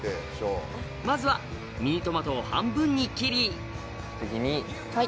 まずはミニトマトを半分に切り次に。